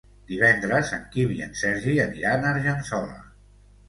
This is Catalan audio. Divendres en Quim i en Sergi aniran a Argençola.